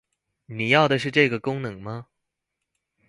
你要的是這個功能嗎？